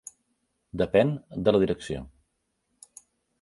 Depèn de la direcció.